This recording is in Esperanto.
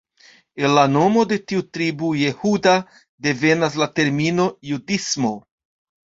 El la nomo de tiu tribo, Jehuda, devenas la termino "judismo".